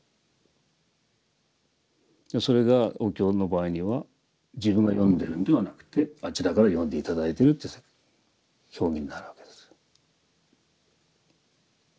それがお経の場合には自分が読んでるんではなくてあちらから読んで頂いてるっていう世界表現になるわけです。